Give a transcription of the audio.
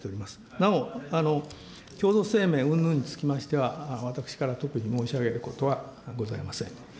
なお、共同声明うんぬんにつきましては、私から特に申し上げることはございません。